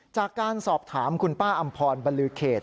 จากการสอบถามคุณป้าอำพรบรรลือเขต